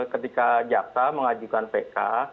ketika jaksa mengajukan pk